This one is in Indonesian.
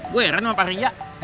gue heran sama pak ria